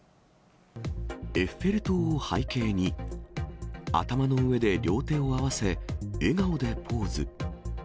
エッフェル塔を背景に、頭の上で両手を合わせ、笑顔でポーズ。